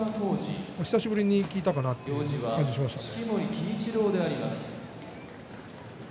久しぶりに聞いたという感じがしました。